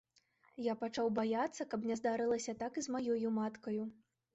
Я пачаў баяцца, каб не здарылася так і з маёю маткаю.